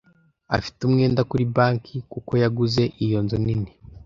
Afite umwenda kuri banki kuko yaguze iyo nzu nini.